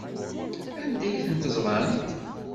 Anda ay ten-ẓrant?